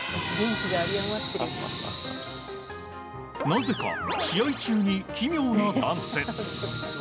なぜか、試合中に奇妙なダンス。